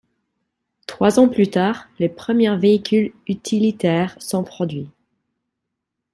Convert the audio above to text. Trois ans plus tard, les premiers véhicules utilitaires sont produits.